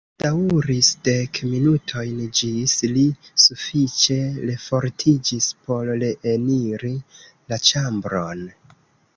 Daŭris dek minutojn ĝis li sufiĉe refortiĝis por reeniri la ĉambron.